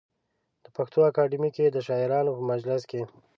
د پښتو اکاډمۍ کې د شاعرانو په مجلس کې.